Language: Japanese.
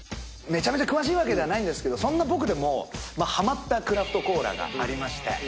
めちゃめちゃ詳しいわけではないんですけどそんな僕でもハマったクラフトコーラがありまして。